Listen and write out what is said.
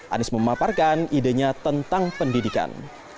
anies memaparkan idenya tentang pendidikan